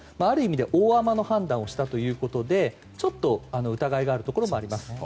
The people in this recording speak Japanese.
ある意味では大甘の判断をしたということでちょっと疑いがあるところもあります。